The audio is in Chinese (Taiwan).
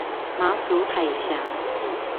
馬祖海峽